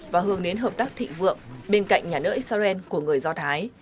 và hướng đến hợp tác thị vượng bên cạnh nhà nước israel của người do thái